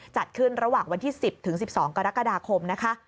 จัดขึ้นระหว่างวันที่๑๐ถึง๑๒กรกฎาคมนะคะ